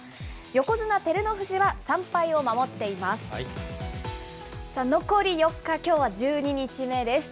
横綱・照ノ富士は、３敗を守っています。